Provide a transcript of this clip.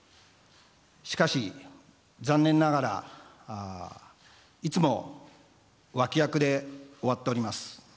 しかし、残念ながらいつも脇役で終わっております。